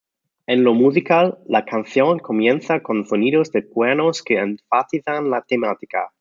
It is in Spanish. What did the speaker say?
En lo musical, la canción comienza con sonidos de cuernos que enfatizan la temática.